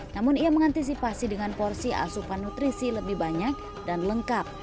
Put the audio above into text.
namun ia mengantisipasi dengan porsi asupan nutrisi lebih banyak dan lengkap